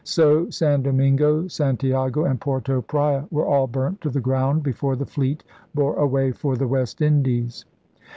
So San Domingo, San tiago, and Porto Praya were all burnt to the ground before the fleet bore away for the West Indies.